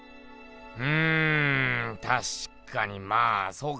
うんたしかにまあそうか。